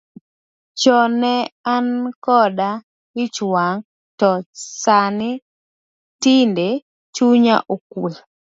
Chon ne an koda ich wang', to sani tinde chuya okwe.